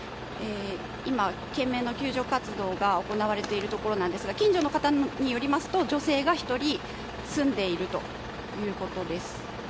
今、懸命な救助活動が行われているんですが近所の方によりますと女性が１人住んでいると。